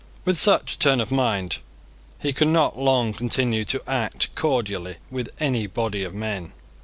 With such a turn of mind he could not long continue to act cordially with any body of men.